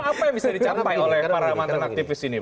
karena begini karena begini